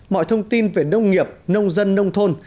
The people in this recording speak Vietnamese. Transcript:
mọi thông tin về nông nghiệp nông dân nông thôn